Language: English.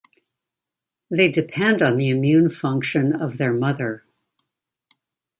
They depend on the immune function of their mother.